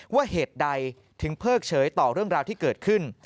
เหตุใดถึงเพิกเฉยต่อเรื่องราวที่เกิดขึ้น